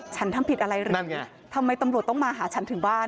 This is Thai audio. ทำผิดอะไรหรือนั่นไงทำไมตำรวจต้องมาหาฉันถึงบ้าน